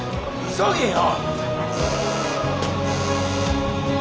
急げよ！